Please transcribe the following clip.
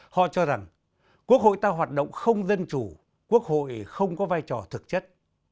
họ cho rằng quốc hội ta hoạt động không dân chủ quốc hội không có vai trò thực chất